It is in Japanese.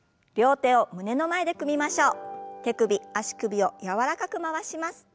手首足首を柔らかく回します。